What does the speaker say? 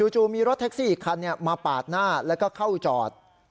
มีรถแท็กซี่อีกคันมาปาดหน้าแล้วก็เข้าจอด